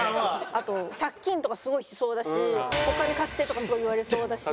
あと借金とかすごいしそうだしお金貸してとかすごい言われそうだし。